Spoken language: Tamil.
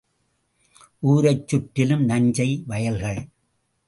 ஊரைச் சுற்றிலும் நஞ்சை வயல்கள்.